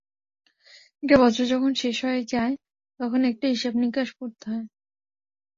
একটা বছর যখন শেষ হয়ে যায়, তখন একটা হিসাব-নিকাশ করতে হয়।